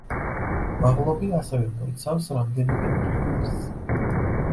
მაღლობი ასევე მოიცავს რამდენიმე მყინვარს.